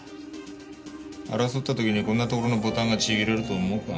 争った時にこんなところのボタンがちぎれると思うか？